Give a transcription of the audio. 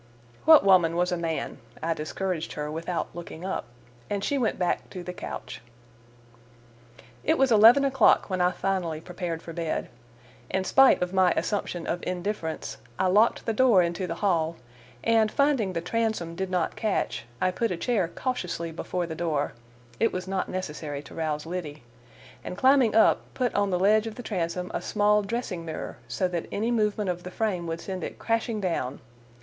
"What woman was a man?" I discouraged her without looking up, and she went back to the couch. It was eleven o'clock when I finally prepared for bed. In spite of my assumption of indifference, I locked the door into the hall, and finding the transom did not catch, I put a chair cautiously before the door—it was not necessary to rouse Liddy—and climbing up put on the ledge of the transom a small dressing mirror, so that any movement of the frame would send it crashing down.